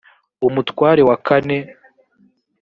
umutware wa kane